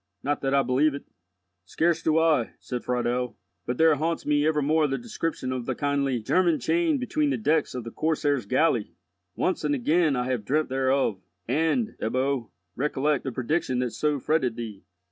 Not that I believe it." "Scarce do I," said Friedel; "but there haunts me evermore the description of the kindly German chained between the decks of the Corsair's galley. Once and again have I dreamt thereof. And, Ebbo, recollect the prediction that so fretted thee.